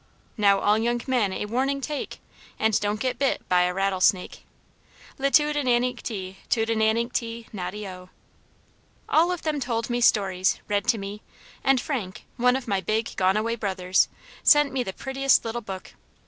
Now all young men a warning take, And don't get bit by a rattlesnake. Li tu di nan incty, tu di nan incty, noddy O!" All of them told me stories, read to me, and Frank, one of my big gone away brothers, sent me the prettiest little book.